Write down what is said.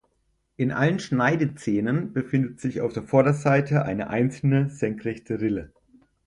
In allen Schneidezähnen befindet sich auf der Vorderseite eine einzelne senkrechte Rille.